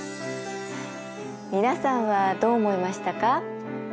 皆さんはどう思いましたか？